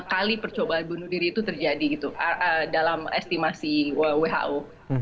jadi itu adalah percobaan bunuh diri itu terjadi gitu dalam estimasi who